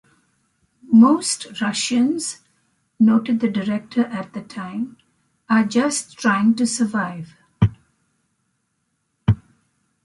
"Most Russians," noted the director at the time, "are just trying to survive.